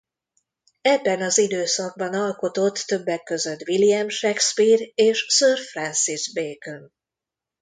Ebben az időszakban alkotott többek között William Shakespeare és Sir Francis Bacon.